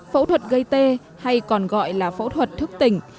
phẫu thuật gây tê hay còn gọi là phẫu thuật thức tỉnh